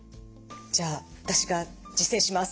じゃあ私が実践します。